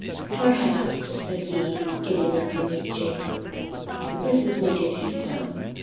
"Perhaps," said he, getting up from his chair, "this is Major Tifto."